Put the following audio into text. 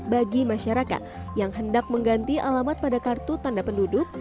bagi masyarakat yang hendak mengganti alamat pada kartu tanda penduduk